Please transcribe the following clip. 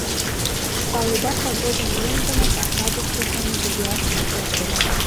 Паледа, тыгодым йӧндымӧ паша деч посна нигузеат ыш эрте.